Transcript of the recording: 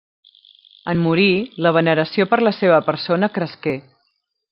En morir, la veneració per la seva persona cresqué.